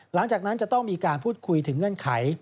หลังจากนั้นจะต้องมีการพูดคุยถึงเงื่อนไข